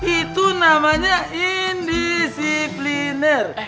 itu namanya indisipliner